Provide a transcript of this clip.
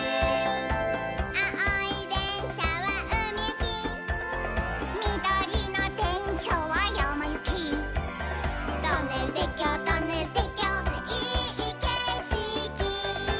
「あおいでんしゃはうみゆき」「みどりのでんしゃはやまゆき」「トンネルてっきょうトンネルてっきょういいけしき」